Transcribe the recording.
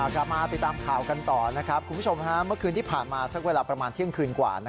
กลับมาติดตามข่าวกันต่อคุณผู้ชมเมื่อคืนที่ผ่านมาเที่ยงคืนกว่า